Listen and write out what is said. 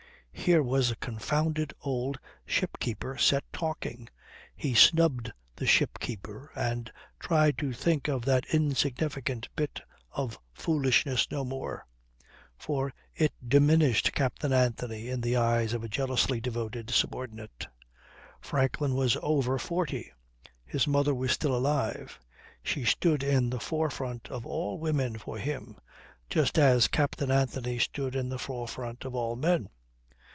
Here was a confounded old ship keeper set talking. He snubbed the ship keeper, and tried to think of that insignificant bit of foolishness no more; for it diminished Captain Anthony in his eyes of a jealously devoted subordinate. Franklin was over forty; his mother was still alive. She stood in the forefront of all women for him, just as Captain Anthony stood in the forefront of all men.